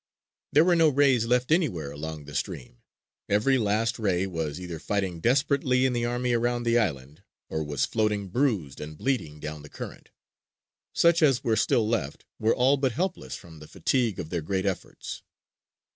There were no rays left anywhere along the stream. Every last ray was either fighting desperately in the army around the island, or was floating bruised and bleeding down the current. Such as were still left were all but helpless from the fatigue of their great efforts.